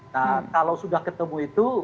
nah kalau sudah ketemu itu